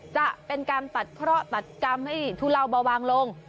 จะเป็นการตัดเคราะห์ตัดกรรมให้ทุเลาเบาบางลง